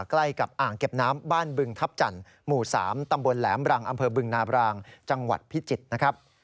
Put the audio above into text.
ใกล้กับอ่างเก็บน้ำบ้านบึงทัพจันทร์หมู่สามตำบลแหลมรังอวิติธรรมย์